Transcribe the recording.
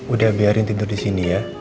udah biarin tidur disini ya